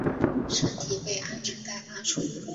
身体被安全带拉住